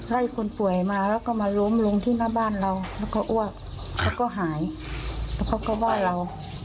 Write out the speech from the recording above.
คนป่วยมาแล้วก็มาล้มลงที่หน้าบ้านเราแล้วก็อ้วกแล้วก็หายแล้วเขาก็ว่าเรา